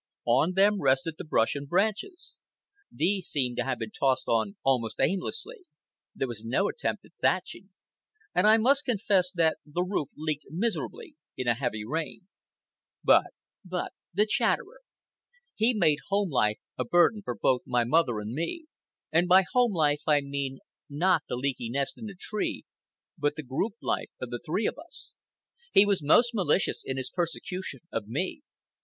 On them rested the brush and branches. These seemed to have been tossed on almost aimlessly. There was no attempt at thatching. And I must confess that the roof leaked miserably in a heavy rain. But the Chatterer. He made home life a burden for both my mother and me—and by home life I mean, not the leaky nest in the tree, but the group life of the three of us. He was most malicious in his persecution of me.